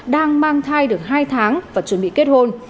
đang mang thai được hai tháng và chuẩn bị kết hôn